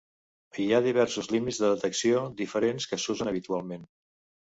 Hi ha diversos "límits de detecció" diferents que s'usen habitualment.